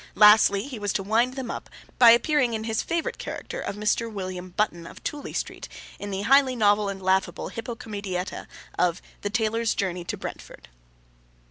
Lastly, he was to wind them up by appearing in his favourite character of Mr. William Button, of Tooley Street, in 'the highly novel and laughable hippo comedietta of The Tailor's Journey to Brentford.